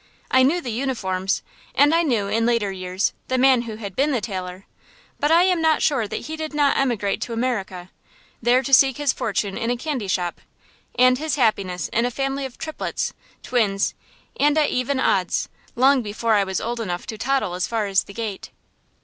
I knew the uniforms, and I knew, in later years, the man who had been the tailor; but I am not sure that he did not emigrate to America, there to seek his fortune in a candy shop, and his happiness in a family of triplets, twins, and even odds, long before I was old enough to toddle as far as the gate.